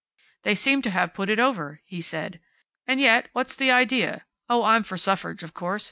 "They seem to have put it over," he said. "And yet, what's the idea? Oh, I'm for suffrage, of course.